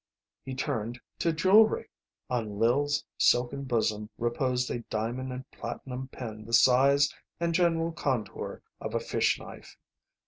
He turned to jewellery. On Lil's silken bosom reposed a diamond and platinum pin the size and general contour of a fish knife.